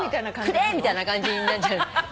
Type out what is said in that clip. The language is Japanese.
「くれ！」みたいな感じになっちゃう。